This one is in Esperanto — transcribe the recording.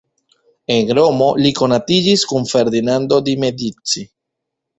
En Romo li konatiĝis kun Ferdinando di Medici.